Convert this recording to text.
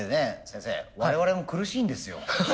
先生我々も苦しいんですよ。